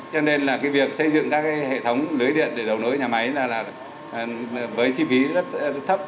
cho nên việc xây dựng các hệ thống lưới điện để đấu nối nhà máy là với chi phí rất thấp